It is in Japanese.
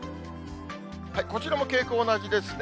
こちらも傾向同じですね。